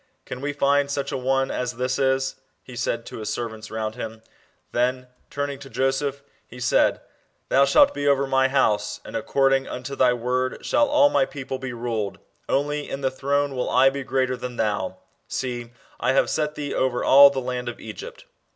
" Can we fend such a one as this is ?" he said to his servants round him. Then turning to Joseph be said : Joseph btf&t Pharwh. 16 JOSEPHS PROMOTION. [B.C. 1708. "Thou shalt be over my t house, and according unto thy word shall all my people be ruled : only in the throne will I be greater than thou. ... See, I have set thee over all the land of Egypt."